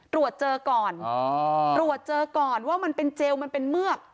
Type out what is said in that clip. ตรวจเจอก่อนตรวจเจอก่อนว่ามันเป็นเจลมันเป็นเมือก